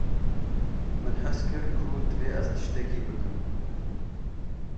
Min his kir ku divê ez tiştekî bikim.